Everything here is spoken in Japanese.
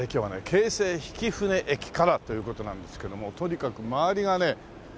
京成曳舟駅からという事なんですけどもとにかく周りがね全部。